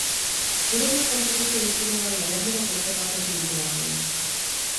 Hudební kompozici vystudoval na Verdiho konzervatoři v Miláně.